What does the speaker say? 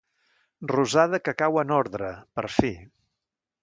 Rosada que cau en ordre, per fi.